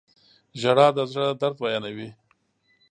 • ژړا د زړه درد بیانوي.